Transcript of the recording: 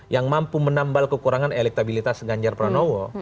yang mampu menambal kekurangan elektabilitas ganjar pranowo